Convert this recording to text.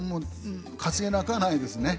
担げなくはないですね。